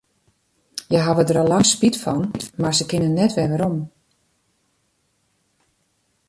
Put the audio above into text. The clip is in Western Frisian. Hja hawwe dêr al lang spyt fan, mar se kinne net mear werom.